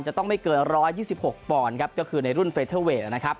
จะต้องไม่เกินร้อยยี่สิบหกปอนด์ครับก็คือในรุ่นเฟสเทอร์เวทนะครับ